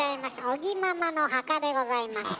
尾木ママの墓でございます。